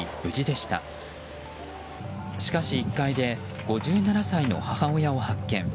しかし、１階で５７歳の母親を発見。